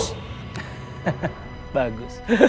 sudah kami bikin lumpuh bos